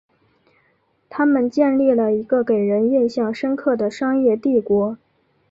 他们建立了一个给人印象深刻的商业帝国。